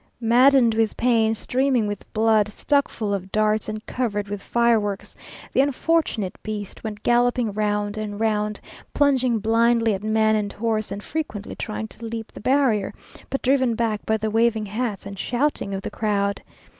Maddened with pain, streaming with blood, stuck full of darts, and covered with fireworks, the unfortunate beast went galloping round and round, plunging blindly at man and horse, and frequently trying to leap the barrier, but driven back by the waving hats and shouting of the crowd.